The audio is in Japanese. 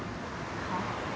はっ？